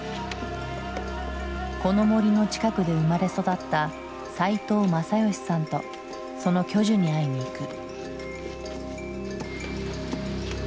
この森の近くで生まれ育った齋藤政美さんとその巨樹に会いに行く。